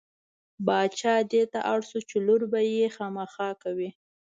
باچا دې ته اړ شو چې لور به مې خامخا کوې.